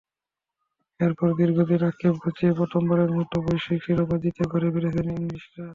এরপর দীর্ঘদিনের আক্ষেপ ঘুচিয়ে প্রথমবারের মতো বৈশ্বিক শিরোপা জিতে ঘরে ফিরেছিল ইংলিশরা।